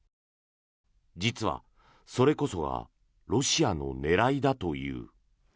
実は、それこそがロシアの狙いだという。